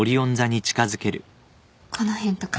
この辺とか。